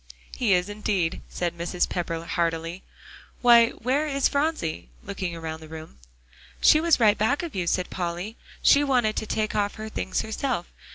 "He is indeed," said Mrs. Pepper heartily. "Why, where is Phronsie?" looking around the room. "She was right back of you," said Polly. "She wanted to take off her things herself.